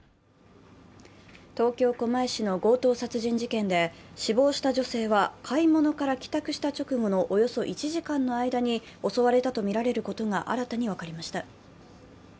東京・狛江市の強盗殺人事件で死亡した女性は、買い物から帰宅した直後のおよそ１時間の間に襲われたとみられることが新たに分かりました。